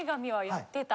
やってた。